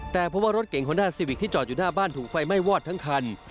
แต่เพราะว่ารถเก่งฮอนด้าซีวิกที่จอดอยู่หน้าบ้านถูกไฟไหม้วอดทั้งคัน